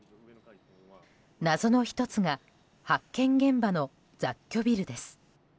謎の１つが発見現場の雑居ビルです。